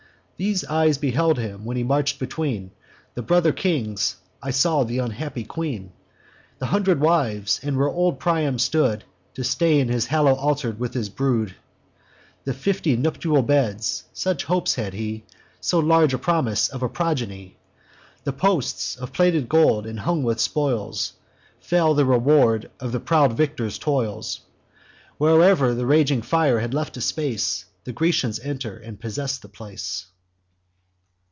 These eyes beheld him when he march'd between The brother kings: I saw th' unhappy queen, The hundred wives, and where old Priam stood, To stain his hallow'd altar with his brood. The fifty nuptial beds (such hopes had he, So large a promise, of a progeny), The posts, of plated gold, and hung with spoils, Fell the reward of the proud victor's toils. Where'er the raging fire had left a space, The Grecians enter and possess the place.